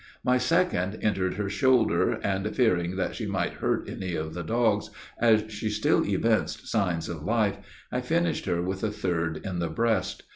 My second entered her shoulder; and, fearing that she might hurt any of the dogs, as she still evinced signs of life, I finished her with a third in the breast.